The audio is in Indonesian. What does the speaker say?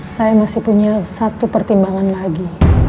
saya masih punya satu pertimbangan lagi